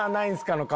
の顔